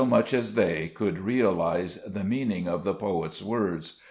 much as they, could realize the meaning of the poet's words